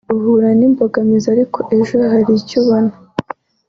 uhura n’ imbogamizi ariko ejo hari icyo ubona